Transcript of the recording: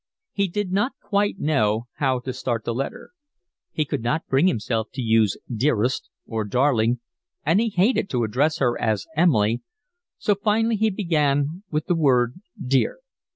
He did not quite know how to start the letter. He could not bring himself to use dearest or darling, and he hated to address her as Emily, so finally he began with the word dear.